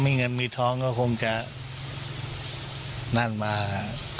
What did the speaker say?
มันรู้รู้ทีหลัง